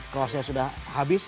kroasia sudah habis